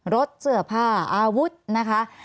รถเสื้อผ้าอาวุธนะคะ